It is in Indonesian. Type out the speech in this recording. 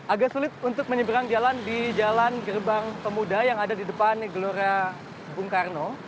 agak sulit untuk menyeberang jalan di jalan gerbang pemuda yang ada di depan gelora bung karno